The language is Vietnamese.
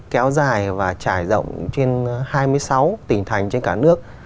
kéo dài và trải rộng trên hai mươi sáu tỉnh thành trên cả nước